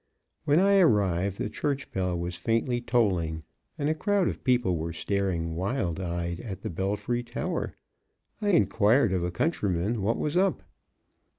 When I arrived, the church bell was faintly tolling, and a crowd of people were staring wild eyed at the belfry tower. I inquired of a countryman what was up.